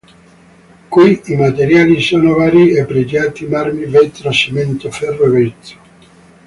Qui i materiali sono vari e pregiati marmi vetro cemento ferro e vetro.